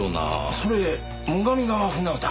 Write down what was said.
それ『最上川舟歌』。